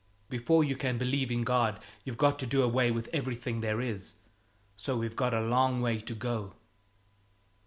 "Before you can believe in God, you've got to do away with everything there is. So we've got a long way to go!"